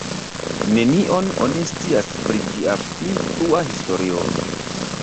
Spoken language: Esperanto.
Nenion oni scias pri ĝia pli frua historio.